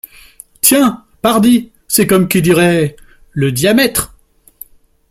Tiens ! pardi ! c’est comme qui dirait… le diamètre !